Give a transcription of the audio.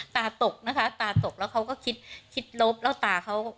ตาตกนะคะตาตกแล้วเขาก็คิดคิดลบแล้วตาเขา